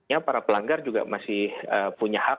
ya para pelanggar juga masih punya hak